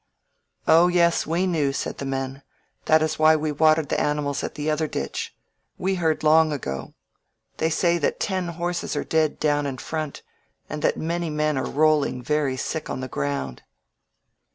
"O yes, we knew," said the men. "That is why we watered the animals at the other ditch. We heard long ago. They say that ten horses are dead down in front, and that many men are rolling very sick on the ground."